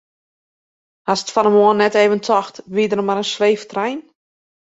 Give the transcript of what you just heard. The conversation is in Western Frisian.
Hast fan 'e moarn net even tocht wie der mar in sweeftrein?